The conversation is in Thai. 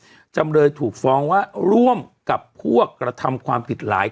จำเลยถูกฟ้องว่าร่วมกับพวกกระทำความผิดหลาย